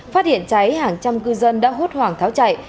phát hiện cháy hàng trăm cư dân đã hốt hoảng tháo chạy